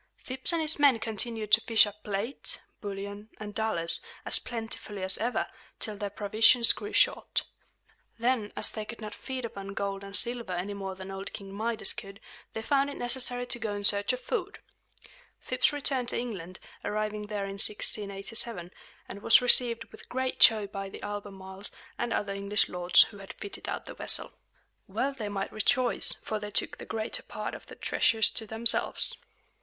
Phips and his men continued to fish up plate, bullion, and dollars, as plentifully as ever, till their provisions grew short. Then, as they could not feed upon gold and silver any more than old King Midas could, they found it necessary to go in search of food. Phips returned to England, arriving there in 1687, and was received with great joy by the Albemarles and other English lords who had fitted out the vessel. Well they might rejoice; for they took the greater part of the treasures to themselves.